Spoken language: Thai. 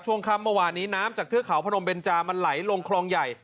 ช่วงค่ำเมื่อวานนี้น้ำจากเทือกเขาพนมเบนจามันไหลลงคลองใหญ่